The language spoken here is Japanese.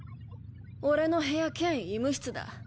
俺の部屋兼医務室だ。